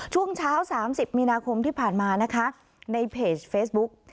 ช่วงเช้า๓๐มีนาคมที่ผ่านมานะคะในเพจเฟซบุ๊ก